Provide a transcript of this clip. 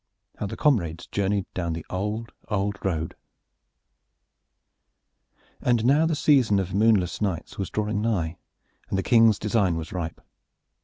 HOW THE COMRADES JOURNEYED DOWN THE OLD, OLD ROAD And now the season of the moonless nights was drawing nigh and the King's design was ripe.